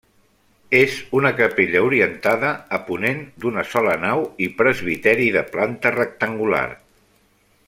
És una capella orientada a ponent d'una sola nau i presbiteri de planta rectangular.